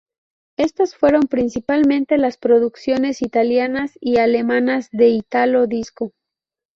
Estas fueron principalmente las producciones italianas y alemanas de italo disco.